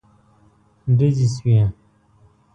ډزې شوې.